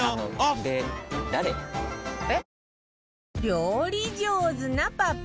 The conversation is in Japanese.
料理上手なパパ